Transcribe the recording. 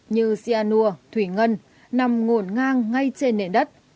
như cyanur thủy ngân nằm ngổn ngang ngay trên nền đất